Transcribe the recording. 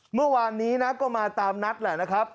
เมื่อวานนี้นะก็มาตามนัดแหละนะครับ